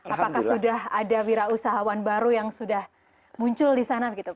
apakah sudah ada wira usahawan baru yang sudah muncul di sana begitu pak